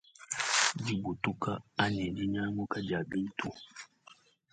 Dibutuka anyi dinyanguka dia bintu.